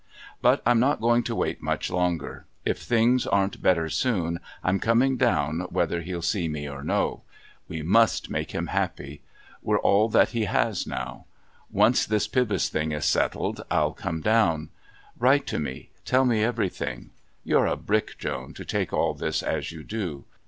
But I'm not going to wait much longer. If things aren't better soon I'm coming down whether he'll see me or no. We must make him happy. We're all that he has now. Once this Pybus thing is settled I'll come down. Write to me. Tell me everything. You're a brick, Joan, to take all this as you do.